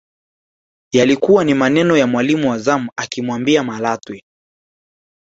Yalikuwa ni maneno ya mwalimu wa zamu akimwambia Malatwe